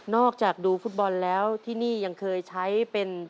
จากดูฟุตบอลแล้วที่นี่ยังเคยใช้เป็น